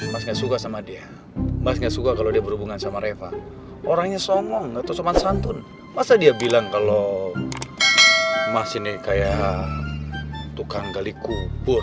mas gak suka sama dia mas gak suka kalau dia berhubungan sama reva orangnya somong atau somad santun masa dia bilang kalau mas ini kayak tukang gali kubur